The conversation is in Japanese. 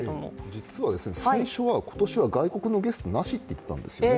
実は最初は今年は外国のゲストなしといっていたんですね。